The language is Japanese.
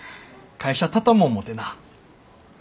会社畳も思てな。